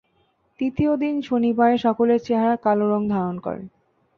তৃতীয় দিন শনিবারে সকলের চেহারা কাল রঙ ধারণ করে।